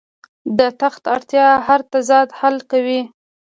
د تخت اړتیا هر تضاد حل کوي.